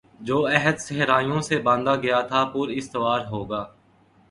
جو عہد صحرائیوں سے باندھا گیا تھا پر استوار ہوگا